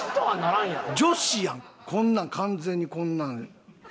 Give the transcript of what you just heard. こんなん完全にこんなん。